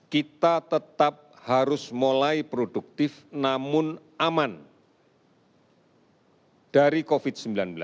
kita tetap harus mulai produktif namun aman dari covid sembilan belas